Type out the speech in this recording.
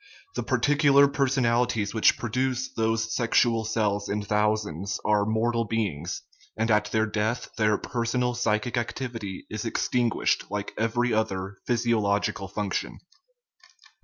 The particu lar personalities who produce those sexual cells in thou 4 189 THE RIDDLE OF THE UNIVERSE sands are mortal beings, and at their death their per sonal psychic activity is extinguished like every other physiological function.